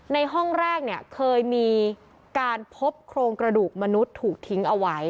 ในห้องแรกเนี่ยเคยมีการพบโครงกระดูกมนุษย์ถูกทิ้งเอาไว้